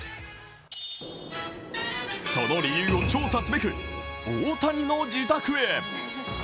その理由を調査すべく、大谷の自宅へ。